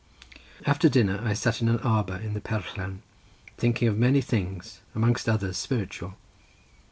After dinner I sat in an arbour in the perllan thinking of many things, amongst others, spiritual.